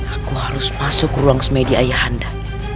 aku harus masuk ke ruang smedia ayahanda